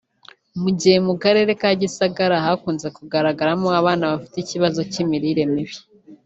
Mu gihe mu karere ka Gisagara hakunze kugaragaramo abana bafite ikibazo cy’imirire mibi